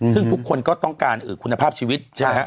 ซึ่งทุกคนก็ต้องการคุณภาพชีวิตใช่ไหมฮะ